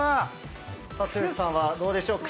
剛さんはどうでしょう？